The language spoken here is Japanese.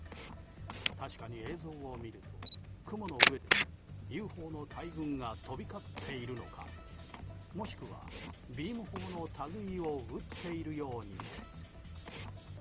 確かに映像を見ると、雲の上でＵＦＯの大群が飛び交っているのかもしくはビーム砲の類を撃っているようにも。